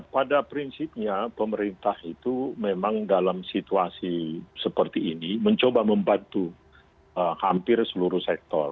pada prinsipnya pemerintah itu memang dalam situasi seperti ini mencoba membantu hampir seluruh sektor